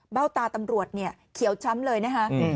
ตาตำรวจเนี่ยเขียวช้ำเลยนะคะ